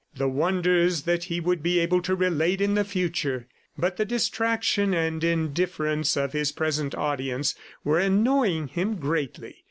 The wonders that he would be able to relate in the future! ... But the distraction and indifference of his present audience were annoying him greatly.